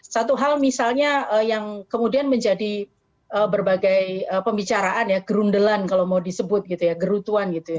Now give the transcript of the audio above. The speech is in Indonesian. satu hal misalnya yang kemudian menjadi berbagai pembicaraan ya gerundelan kalau mau disebut gitu ya gerutuan gitu ya